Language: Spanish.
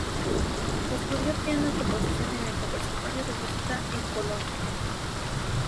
Estudió piano y composición en el conservatorio de música en Colonia.